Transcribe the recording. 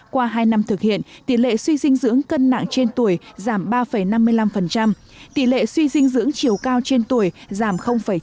qua hai năm thực hiện tỷ lệ suy dinh dưỡng cân nặng trên tuổi giảm ba năm mươi năm tỷ lệ suy dinh dưỡng chiều cao trên tuổi giảm chín mươi